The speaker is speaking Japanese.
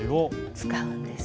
使うんです。